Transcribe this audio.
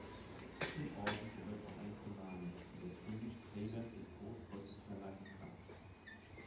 Zum Orden gehört auch eine Collane, die der König Trägern des Großkreuzes verleihen kann.